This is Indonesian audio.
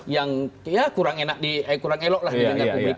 yang kurang enak kurang elok lah di dalam publik